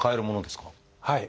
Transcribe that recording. はい。